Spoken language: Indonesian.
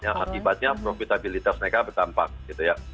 yang akibatnya profitabilitas mereka bertambah gitu ya